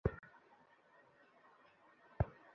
Nightie পরে আসো।